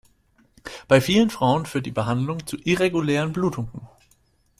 Bei vielen Frauen führt die Behandlung zu irregulären Blutungen.